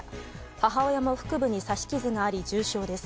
母親の腹部に刺し傷があり重傷です。